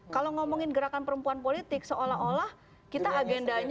kalau ngomongin gerakan perempuan politik seolah olah kita agendanya